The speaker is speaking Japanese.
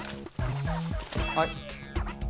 はい。